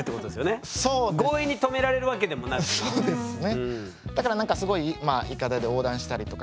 そうですね。